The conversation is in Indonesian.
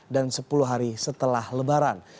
dan sepuluh hari setelah lebaran